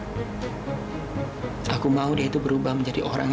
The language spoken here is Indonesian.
sampai jumpa di video selanjutnya